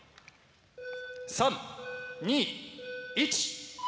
３２１。